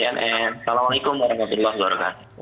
assalamualaikum warahmatullahi wabarakatuh